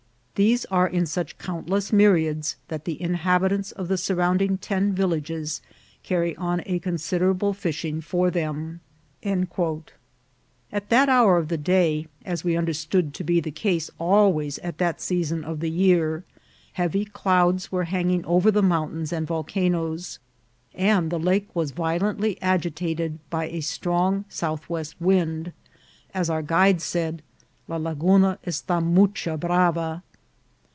These are in such countless myriads that the inhabitants of the surrounding ten villages carry on a considerable fishing for them." At that hour of the day, as we understood to be the case always at that season of the year, heavy clouds were hanging over the mountains and volcanoes, and the lake was violently agitated by a strong southwest wind ; as our guide said, la laguna esta mucha brava.